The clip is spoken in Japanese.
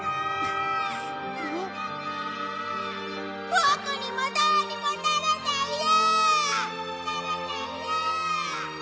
ボクにもどうにもならないよ！